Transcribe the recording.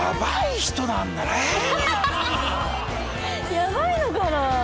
やばいのかな？